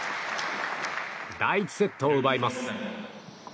第１セットを奪います。